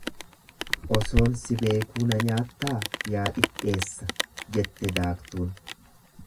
Osoon si beekuu na nyaattaa yaa dhidheessa jette daaktuun.